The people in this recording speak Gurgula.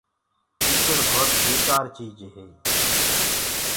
تيچڙ ڀوت بيڪآر چيج هي۔